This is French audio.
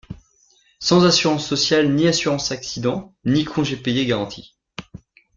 Sans assurances sociales ni assurances accident ni congés payés garantis.